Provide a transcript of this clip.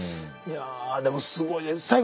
いやあでもすごいです。